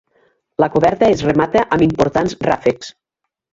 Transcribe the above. La coberta es remata amb importants ràfecs.